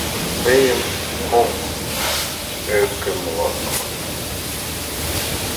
Тыйым ом ӧкымлӧ.